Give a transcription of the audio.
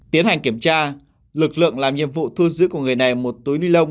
tiến hành kiểm tra lực lượng làm nhiệm vụ thu giữ của người này một túi ni lông